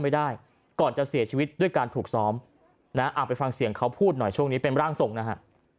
ไม่ได้ก่อนจะเสียชีวิตด้วยการถูกซ้อมนะเอาไปฟังเสียงเขาพูดหน่อยช่วงนี้เป็นร่างทรงนะฮะ